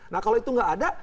nah kalau itu nggak ada